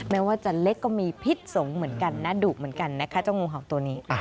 แม้ว่าจะเล็กก็มีพิษสงฆ์เหมือนกันนะดุเหมือนกันนะคะเจ้างูเห่าตัวนี้